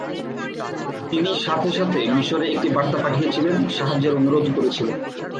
তিনি সাথেসাথে মিশরে একটি বার্তা পাঠিয়েছিলেন, সাহায্যের অনুরোধ করেছিলেন।